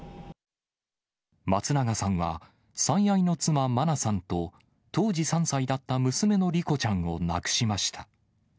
松永さんは、最愛の妻、真菜さんと、当時３歳だった娘の莉子ちゃんを亡くしました。